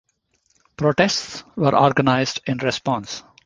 Protests were organized in response.